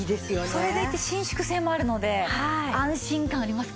それでいて伸縮性もあるので安心感ありますね！